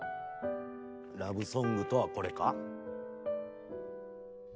ラブソングとはこれか？